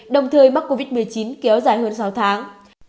đồng thời mắc covid một mươi chín kéo dài hơn sáu tháng